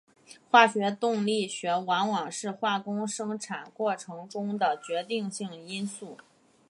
化学动力学往往是化工生产过程中的决定性因素。